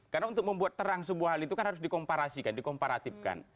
karena untuk membuat terang sebuah hal itu kan harus dikomparasikan dikomparatifkan